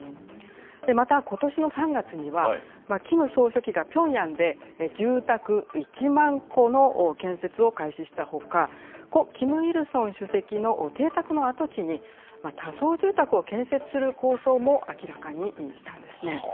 また、ことしの３月には、キム総書記がピョンヤンで住宅１万戸の建設を開始したほか、故・キム・イルソン主席の邸宅の跡地に、多層住宅を建設する構想も明らかにしたんですね。